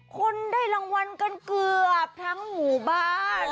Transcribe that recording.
คุณได้รางวัลกันเกือบทั้งหมู่บ้าน